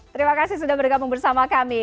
terima kasih sudah bergabung bersama kami